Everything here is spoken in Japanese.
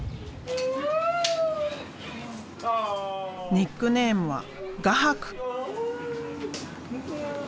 ニックネームは「画伯」！